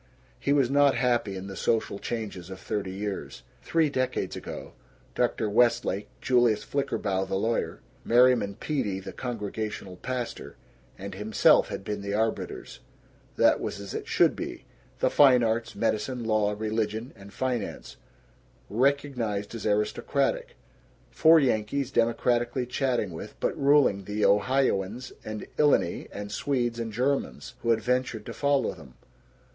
He was not happy in the social changes of thirty years. Three decades ago, Dr. Westlake, Julius Flickerbaugh the lawyer, Merriman Peedy the Congregational pastor and himself had been the arbiters. That was as it should be; the fine arts medicine, law, religion, and finance recognized as aristocratic; four Yankees democratically chatting with but ruling the Ohioans and Illini and Swedes and Germans who had ventured to follow them.